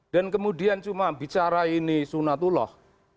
kemudian cuma bicara ini sunatullah